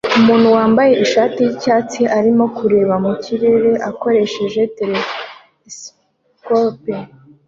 Umuntu wambaye ishati yicyatsi arimo kureba mu kirere akoresheje telesikope